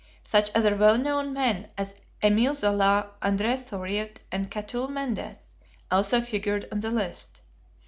Such other well known men as Émile Zola, André Theuriet, and Catulle Mendes, also figured on the list.